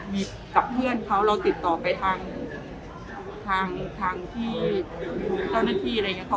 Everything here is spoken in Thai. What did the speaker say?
มีกับเพื่อนเขาเราติดต่อไปทางทางที่เจ้าหน้าที่อะไรอย่างนี้